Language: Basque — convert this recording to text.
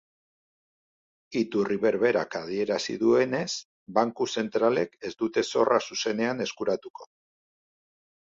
Iturri berberak adierazi duenez, banku zentralek ez dute zorra zuzenean eskuratuko.